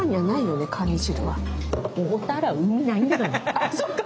あっそうか！